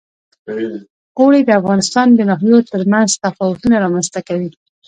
اوړي د افغانستان د ناحیو ترمنځ تفاوتونه رامنځ ته کوي.